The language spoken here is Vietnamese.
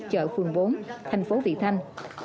chợ phường bốn thành phố vị thanh